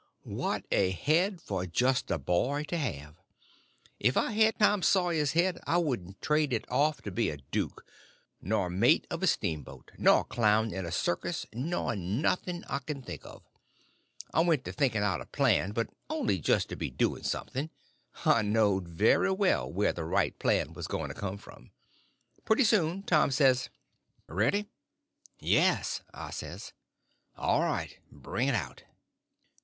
What a head for just a boy to have! If I had Tom Sawyer's head I wouldn't trade it off to be a duke, nor mate of a steamboat, nor clown in a circus, nor nothing I can think of. I went to thinking out a plan, but only just to be doing something; I knowed very well where the right plan was going to come from. Pretty soon Tom says: "Ready?" "Yes," I says. "All right—bring it out."